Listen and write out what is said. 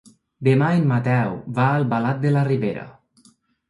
Demà en Mateu va a Albalat de la Ribera.